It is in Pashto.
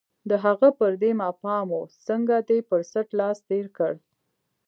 د هغه پر دې ما پام و، څنګه دې پر څټ لاس تېر کړ؟